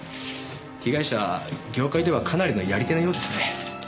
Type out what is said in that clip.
被害者は業界ではかなりのやり手のようですね。